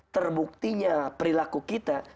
terbuktinya perilaku kita